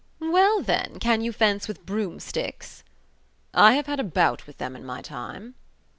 "Well, then, can you fence with broomsticks?" "I have had a bout with them in my time."